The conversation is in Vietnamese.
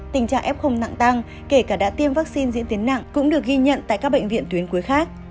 tình trạng f nặng tăng kể cả đã tiêm vaccine diễn tiến nặng cũng được ghi nhận tại các bệnh viện tuyến cuối khác